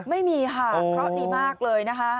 ไม่มีค่ะเพราะดีมากเลยนะคะ